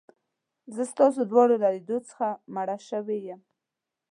زه ستاسي دواړو له لیدو څخه مړه شوې یم.